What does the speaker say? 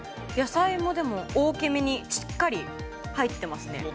野菜もでも、大きめに、しっかり入ってますね。